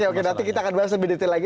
oke nanti kita akan bahas lebih detail lagi